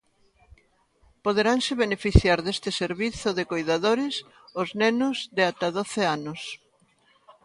Poderanse beneficiar deste servizo de coidadores os nenos de ata doce anos.